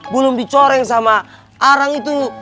belum dicoreng sama arang itu